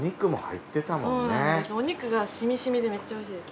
お肉がしみしみでめっちゃ美味しいです。